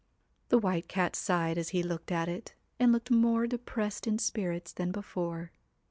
The White Cat sighed as he looked at it, and looked more depressed in spirits than before.